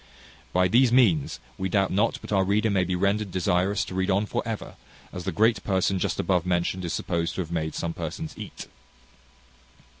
By these means, we doubt not but our reader may be rendered desirous to read on for ever, as the great person just above mentioned is supposed to have made some persons eat.